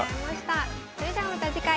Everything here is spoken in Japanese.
それではまた次回。